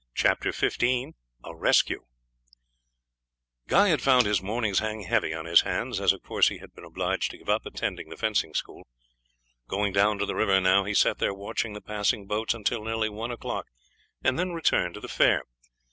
CHAPTER XV A RESCUE Guy had found his mornings hang heavy on his hands, as of course he had been obliged to give up attending the fencing school. Going down to the river now, he sat there watching the passing boats until nearly one o'clock, and then returned to the fair.